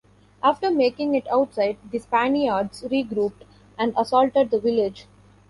After making it outside, the Spaniards regrouped and assaulted the village.